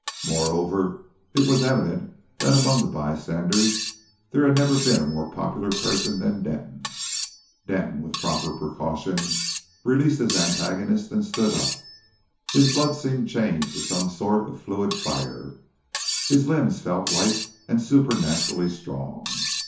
Moreover, it was evident that among the bystanders there had never been a more popular person than Denton. Denton, with proper precaution, released his antagonist and stood up. His blood seemed changed to some sort of fluid fire, his limbs felt light and supernaturally strong.